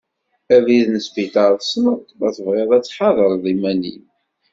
Abrid n Sbiṭer tesneḍ-t, ma tebɣiḍ ad tḥadreḍ iman-im.